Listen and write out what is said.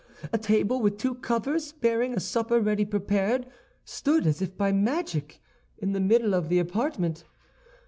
"A table, with two covers, bearing a supper ready prepared, stood, as if by magic, in the middle of the apartment.